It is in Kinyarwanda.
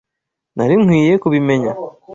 Nari nkwiye kubimenya. (